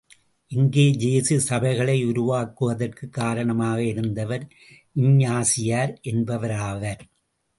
இந்த இயேசு சபைகளை உருவாக்குவதற்குக் காரணமாக இருந்தவர் இஞ்ஞாசியார் என்பவராவார்.